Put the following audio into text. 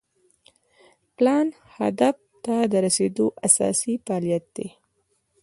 پلان هدف ته د رسیدو اساسي فعالیت دی.